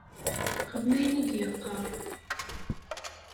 Xdem ayen i d-yeqqar!